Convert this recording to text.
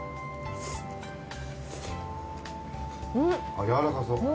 あっ柔らかそう。